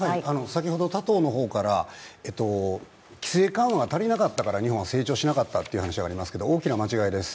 先ほど他党の方から、規制緩和が足りなかったから日本は成長しなかったという話がありますが大きな間違いです。